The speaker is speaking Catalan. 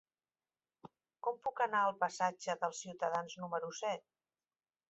Com puc anar al passatge dels Ciutadans número set?